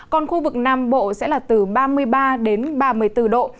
còn khu vực nam bộ sẽ là từ ba mươi ba đến ba mươi bốn độ